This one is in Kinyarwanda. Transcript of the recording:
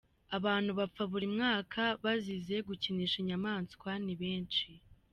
Abantu bapfa buri mwaka bazize gukinisha inyamaswa, ni benshi.